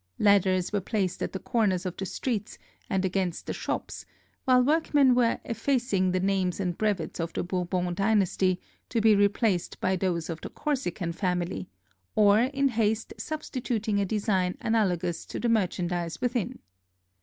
Ladders were placed at the corners of the streets and against the shops, while workmen were effac ing the names and brevets of the Bourbon dynasty, to be replaced by those of the Corsican family, or in haste substituting a design analogous to the merchandise within.